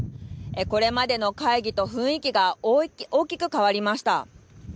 これまでの会議と雰囲気が大きく変わりました。